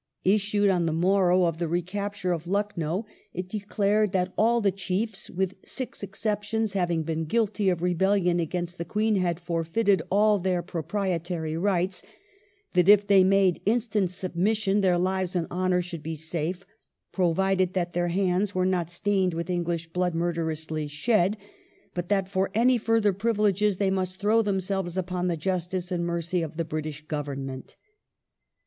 ^ Issued on the morrow of the recap ture of Lucknow, it declared that all the chiefs, with six exceptions, having been guilty of rebellion against the Queen had forfeited all their proprietary rights ; that if they made instant submission their lives and honour should be safe, provided that their hands "were not stained with English blood murderously shed," but that for any further privilege " they must throw themselves upon the justice and mercy of the British Government".